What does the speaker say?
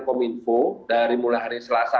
kominfo dari mulai hari selasa